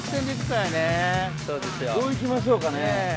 どういきましょうかね？